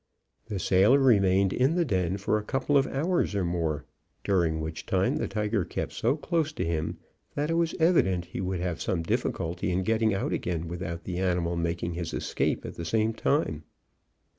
The sailor remained in the den for a couple of hours or more, during which time the tiger kept so close to him, that it was evident he would have some difficulty in getting out again, without the animal making his escape at the same time.